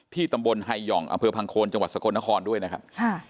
ตำบลไฮหย่องอำเภอพังโคนจังหวัดสกลนครด้วยนะครับ